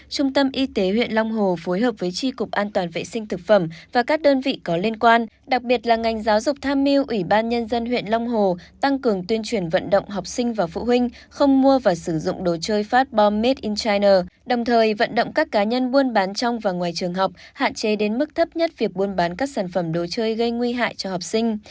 trung tâm y tế huyện long hồ phối hợp với tri cục an toàn vệ sinh thực phẩm và các đơn vị có liên quan đặc biệt là ngành giáo dục tham miu ủy ban nhân dân huyện long hồ tăng cường tuyên truyền vận động học sinh và phụ huynh không mua và sử dụng đồ chơi phát bom made in china đồng thời vận động các cá nhân buôn bán trong và ngoài trường học hạn chế đến mức thấp nhất việc buôn bán các sản phẩm đồ chơi gây nguy hại cho học sinh